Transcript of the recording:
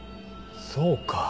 そうか。